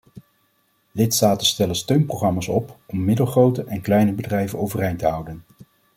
Lidstaten stellen steunprogramma's op om middelgrote en kleine bedrijven overeind te houden.